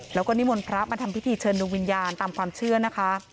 แล้วก็นิมนต์พระมาทำพิธีเชิญดวงวิญญาณตามความเชื่อนะคะ